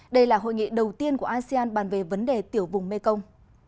đây là hội nghị đầu tiên của asean bàn về vấn đề tiểu vùng mekong